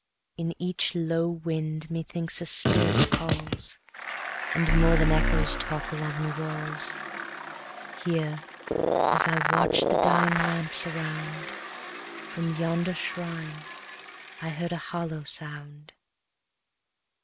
In each low wind methinks a spirit calls, And more than echoes talk along the walls. Here, as I watch'd the dying lamps around, From yonder shrine I heard a hollow sound.